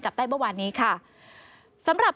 จับได้เมื่อวานนี้ค่ะ